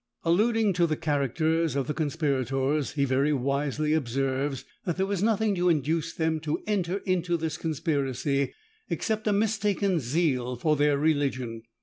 Alluding to the characters of the conspirators, he very wisely observes, that there was nothing to induce them to enter into this conspiracy, except a mistaken zeal for their religion.